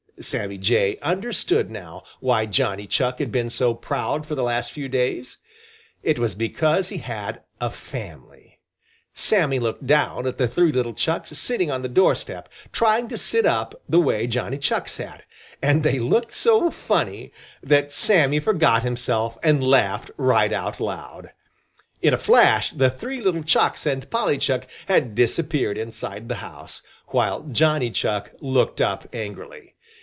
Sammy Jay understood now why Johnny Chuck had been so proud for the last few days. It was because he had a family! Sammy looked down at the three little Chucks sitting on the doorstep, trying to sit up the way Johnny Chuck sat, and they looked so funny that Sammy forgot himself and laughed right out loud. In a flash the three little Chucks and Polly Chuck had disappeared inside the house, while Johnny Chuck looked up angrily.